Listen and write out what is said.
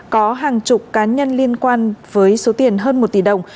có hàng chục cá nhân liên quan với số tiền hơn một tỷ đồng